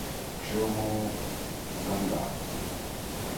چمو زنگ گاد۔